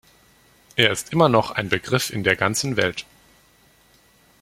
Er ist noch immer ein Begriff in der ganzen Welt.